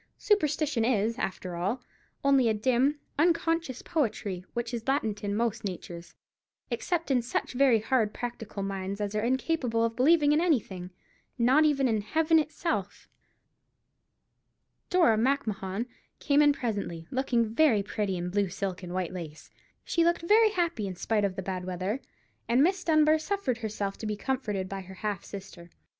Superstition is, after all, only a dim, unconscious poetry, which is latent in most natures, except in such very hard practical minds as are incapable of believing in anything—not even in Heaven itself. Dora Macmahon came in presently, looking very pretty in blue silk and white lace. She looked very happy, in spite of the bad weather, and Miss Dunbar suffered herself to be comforted by her half sister.